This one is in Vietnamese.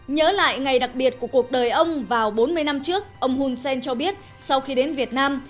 nhớ lại ngày đặc biệt của cuộc đời ông vào bốn mươi năm trước ông hun sen cho biết sau khi đến việt nam